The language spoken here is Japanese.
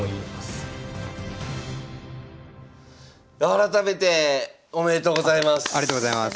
改めておめでとうございます。